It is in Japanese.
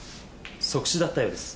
即死だったようです。